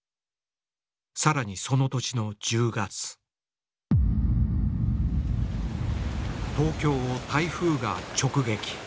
さらにその年の１０月東京を台風が直撃。